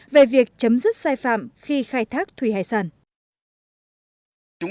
về việc chấm dứt sai phạm khi khai thác thủy hải sản